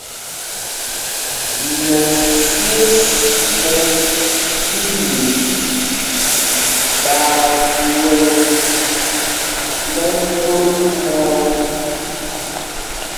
Mɛsyes mɛ ɓīlīk ɓaa ɗuɛl mɛnôl mɔ̄ɔ̄.